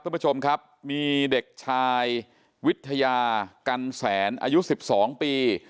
คุณผู้ชมครับมีเด็กชายวิทยากันแสนอายุ๑๒ปี